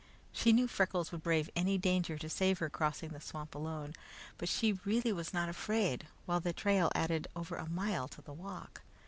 She knew Freckles would brave any danger to save her crossing the swamp alone, but she really was not afraid, while the trail added over a mile to the walk.